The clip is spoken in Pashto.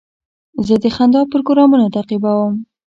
زه د خندا پروګرامونه تعقیبوم.